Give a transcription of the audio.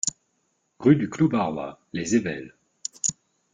Rue du Clos Barrois, Les Ayvelles